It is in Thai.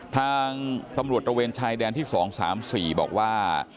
ทางตำรวจระเวนชายแดนที่๒๓๔บอกว่า